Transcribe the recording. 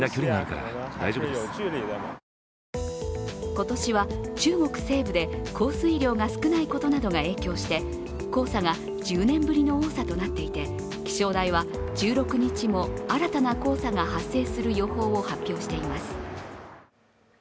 今年は中国西部で降水量が少ないことなどが影響して黄砂が１０年ぶりの多さとなっていて、気象台は１６日も新たな黄砂が発生する予報を発表しています。